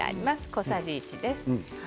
小さじ１です。